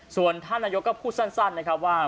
ส่วนท่านนายกก็พูดสั้นนะครับว่า